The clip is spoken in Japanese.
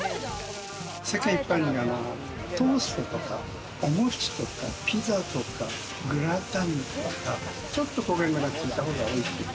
世間一般、トーストとかお餅とかピザとかグラタンとかちょっと焦げ目がついた方がおいしい。